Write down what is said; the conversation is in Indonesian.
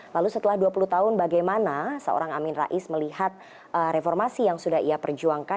lalu setelah dua puluh tahun bagaimana seorang amin rais melihat reformasi yang sudah ia perjuangkan